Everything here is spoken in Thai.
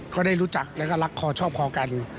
ก็ได้รู้จักแล้วก็รักคอชอบพอกัน